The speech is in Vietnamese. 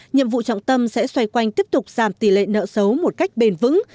nhiệm vụ trọng tâm sẽ xoay quanh tiếp tục giảm tỷ lệ nợ xấu một cách bền vững